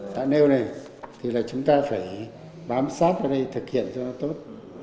tạ nêu này thì là chúng ta phải bám sát vào đây thực hiện cho nó tốt